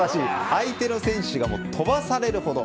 相手の選手が飛ばされるほど。